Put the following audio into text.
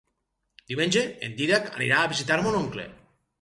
Diumenge en Dídac anirà a visitar mon oncle.